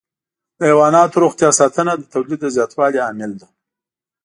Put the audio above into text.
د حيواناتو روغتیا ساتنه د تولید د زیاتوالي عامل ده.